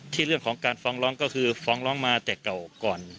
เรื่องของการฟ้องร้องก็คือฟ้องร้องมาแต่เก่าก่อน